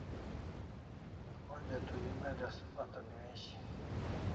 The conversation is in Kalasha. Onja tu email as pata newishi